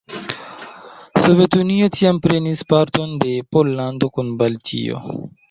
Sovetunio tiam prenis parton de Pollando kun Baltio.